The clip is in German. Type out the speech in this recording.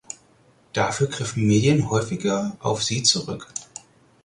Dafür griffen Medien häufiger auf sie zurück.